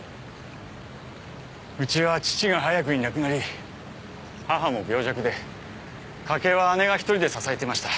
うちは父が早くに亡くなり母も病弱で家計は姉が一人で支えていました。